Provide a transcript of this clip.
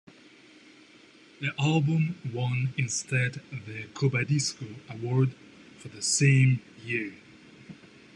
The album won instead the "Cubadisco" award for the same year.